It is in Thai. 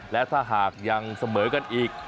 และถ้าหากยังเสมอกันอีก